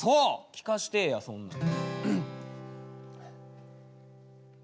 聴かしてえやそんなん。